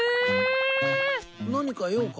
何か用か？